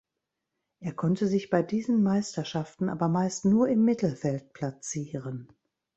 Er konnte sich bei diesen Meisterschaften aber meist nur im Mittelfeld platzieren.